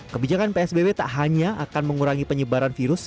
kebijakan psbb tak hanya akan mengurangi penyebaran virus